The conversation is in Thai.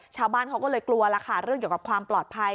ชาวบ้านเขาก็เลยกลัวแล้วค่ะเรื่องเกี่ยวกับความปลอดภัย